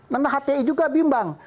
karena hti juga bimbang